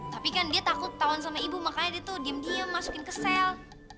tapi kan dia takut ketahuan sama ibu makanya dia tuh diem diem masukin ke sel